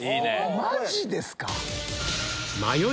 マジですか⁉